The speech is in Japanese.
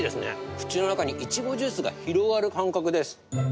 口の中にイチゴジュースが広がる感覚です。